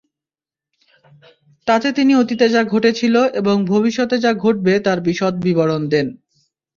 তাতে তিনি অতীতে যা ঘটেছিল এবং ভবিষ্যতে যা ঘটবে তার বিশদ বিবরণ দেন।